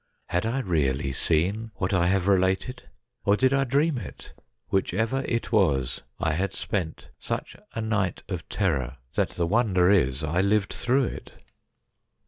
Had I really seen what I have related, or did I dream it ? Whichever it was, I had spent such a night of terror that the wonder is I lived through it.